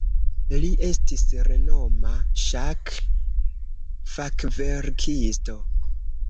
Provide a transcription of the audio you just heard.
Li estis renoma ŝak-fakverkisto.